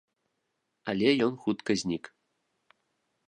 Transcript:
Але ён хутка знік.